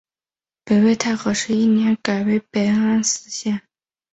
北魏太和十一年改为北安邑县。